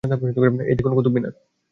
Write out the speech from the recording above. এই দেখুন, কুতুব মিনার।